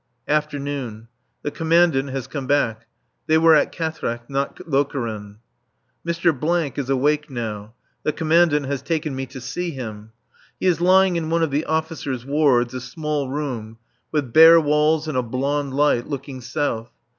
[Afternoon.] The Commandant has come back. They were at Quatrecht, not Lokeren. Mr. is awake now. The Commandant has taken me to see him. He is lying in one of the officers' wards, a small room, with bare walls and a blond light, looking south.